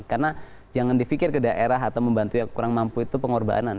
karena jangan di pikir ke daerah atau membantu yang kurang mampu itu pengorbanan